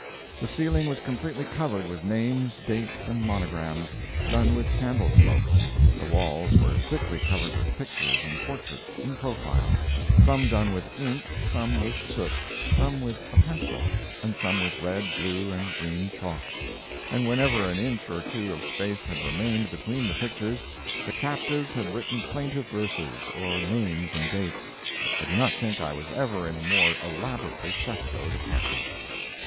The ceiling was completely covered with names, dates, and monograms, done with candle smoke. The walls were thickly covered with pictures and portraits (in profile), some done with ink, some with soot, some with a pencil, and some with red, blue, and green chalks; and whenever an inch or two of space had remained between the pictures, the captives had written plaintive verses, or names and dates. I do not think I was ever in a more elaborately frescoed apartment.